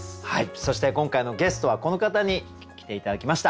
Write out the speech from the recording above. そして今回のゲストはこの方に来て頂きました。